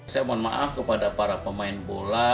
saya mohon maaf kepada para pemain bola